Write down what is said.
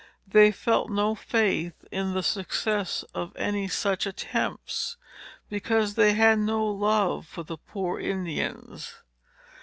They felt no faith in the success of any such attempts, because they had no love for the poor Indians.